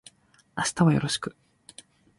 明日はよろしく